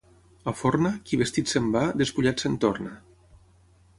A Forna, qui vestit se'n va, despullat se'n torna.